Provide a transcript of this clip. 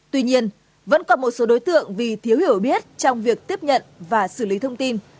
tuy nhiên vẫn còn một số đối tượng vì thiếu hiểu biết trong việc tiếp nhận và xử lý thông tin